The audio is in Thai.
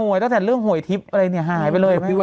โหยตั้งแต่เรื่องโหยทิศอะไรเนี่ยหายไปเลยแม่